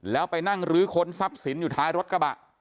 แล้วไปนั่งลื้อค้นทรัพย์สินอยู่ท้ายรถกระบะ